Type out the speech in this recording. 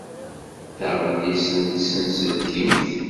Taɣellist n tsenselkimt.